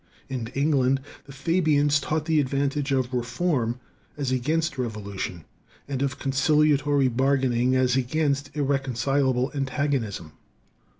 In England, the Fabians taught the advantage of reform as against revolution, and of conciliatory bargaining as against irreconcilable antagonism.